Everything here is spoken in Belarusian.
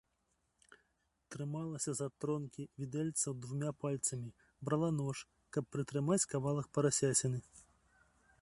Трымалася за тронкі відэльцаў двума пальцамі, брала нож, каб прытрымаць кавалак парасяціны.